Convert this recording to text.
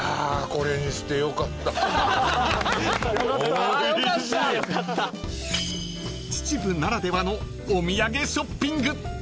［秩父ならではのお土産ショッピング］